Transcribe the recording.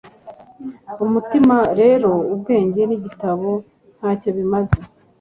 Umutima rero ubwenge nigitabo ntacyo bimaze